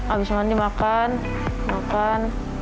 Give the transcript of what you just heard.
abis mandi makan makan